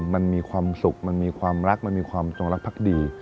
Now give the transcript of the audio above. มันมีความสุขมันมีความรักมันมีความจงรักภักดี